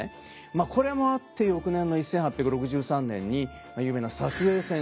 まあこれもあって翌年の１８６３年に有名な英戦争。